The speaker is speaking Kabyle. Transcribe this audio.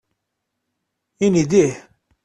Ini-d ih!